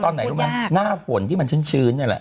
ตอนไหนรู้ไหมหน้าฝนที่มันชื้นนั่นแหละ